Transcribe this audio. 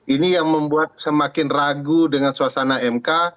ini yang membuat semakin ragu dengan suasana mk